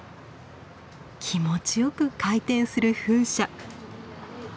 気持ちよく回転する風車。